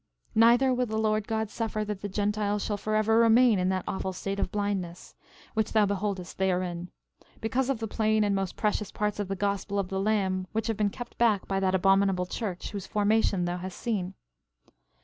13:32 Neither will the Lord God suffer that the Gentiles shall forever remain in that awful state of blindness, which thou beholdest they are in, because of the plain and most precious parts of the gospel of the Lamb which have been kept back by that abominable church, whose formation thou hast seen.